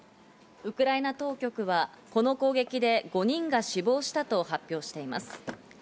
ウクライナ当局はこの攻撃で５人が死亡したと発表しています。